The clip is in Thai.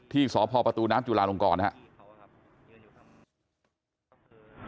ที่สพประตูน้ำจุลาลงกรครับ